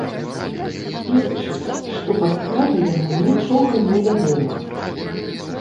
Сведчыць, што па справе яму нічога не вядома.